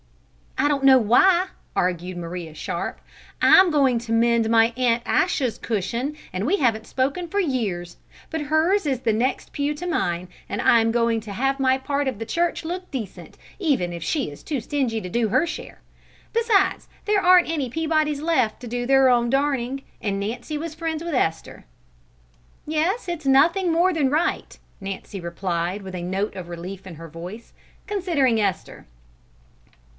"I don't know why," argued Maria Sharp. "I'm going to mend my Aunt Achsa's cushion, and we haven't spoken for years; but hers is the next pew to mine, and I'm going to have my part of the church look decent, even if she is too stingy to do her share. Besides, there aren't any Peabodys left to do their own darning, and Nancy was friends with Esther." "Yes, it's nothing more than right," Nancy replied, with a note of relief in her voice, "considering Esther."